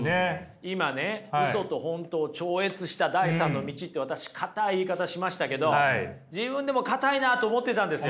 今ね「ウソと本当を超越した第３の道」って私硬い言い方しましたけど自分でも硬いなあと思ってたんですよ。